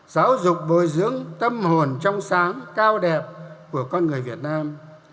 giáo dục bồi dưỡng tâm hồn trong sáng cao đẹp của con người việt nam